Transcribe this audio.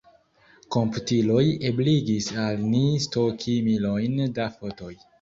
Komputiloj ebligis al ni stoki milojn da fotoj.